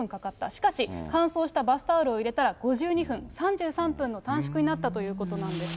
しかし、乾燥したバスタオルを入れたら５２分、３３分の短縮になったということなんです。